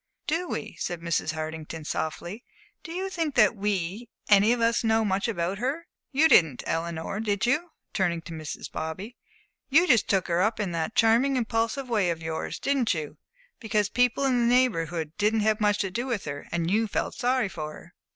"Do we?" said Mrs. Hartington, softly. "Do you think that we, any of us, know much about her? You didn't, Eleanor, did you?" turning to Mrs. Bobby "You just took her up in that charming, impulsive way of yours didn't you? because people in the Neighborhood didn't have much to do with her, and you felt sorry for her?"